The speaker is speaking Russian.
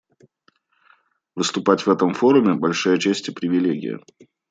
Выступать в этом форуме — большая честь и привилегия.